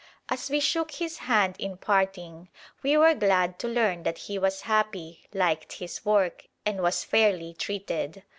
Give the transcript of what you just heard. As we shook his hand in parting, we were glad to learn that he was happy, liked his work, and was fairly treated.